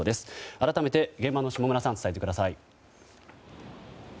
改めて現場の下村さん伝えてください。